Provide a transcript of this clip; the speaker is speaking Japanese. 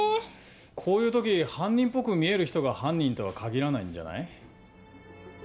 こういう時犯人っぽく見える人が犯人とは限らないんじゃない？